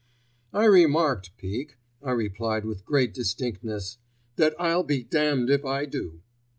"I remarked, Peake," I replied with great distinctness, "that I'll be damned if I do."